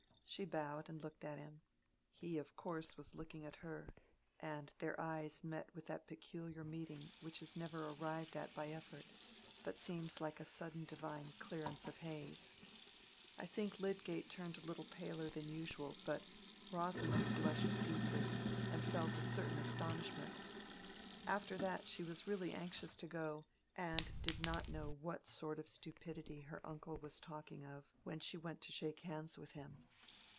She bowed and looked at him: he of course was looking at her, and their eyes met with that peculiar meeting which is never arrived at by effort, but seems like a sudden divine clearance of haze. I think Lydgate turned a little paler than usual, but Rosamond blushed deeply and felt a certain astonishment. After that, she was really anxious to go, and did not know what sort of stupidity her uncle was talking of when she went to shake hands with him.